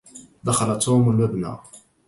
دخل توم المبنى.